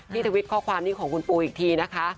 ทวิตข้อความนี้ของคุณปูอีกทีนะคะ